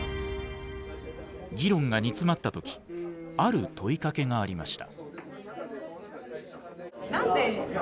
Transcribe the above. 議論が煮詰まった時ある問いかけがありました。